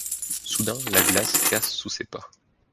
Soudain la glace casse sous ses pas.